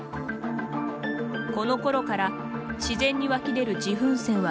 このころから自然に湧き出る自噴泉は激減。